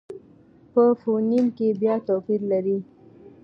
په فونېم کې بیا توپیر لري.